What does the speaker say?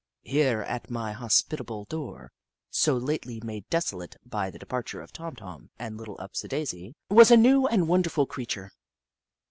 Here, at my hospitable door, so lately made desolate by the departure of Tom Tom and Little Upsidaisi, was a new and wonderful creature.